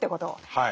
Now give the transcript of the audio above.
はい。